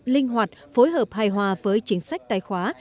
linh hoạt phối hợp hài hòa với chính sách tài khóa